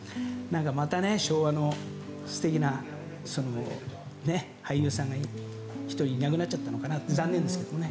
また、昭和の素敵な俳優さんが１人いなくなっちゃったのかなって残念ですけどね。